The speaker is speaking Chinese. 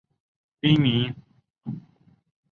滨名孝行。